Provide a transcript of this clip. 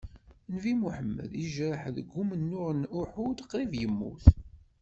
Nnbi Muḥemmed yejreḥ deg umennuɣ n Uḥud, qrib yemmut.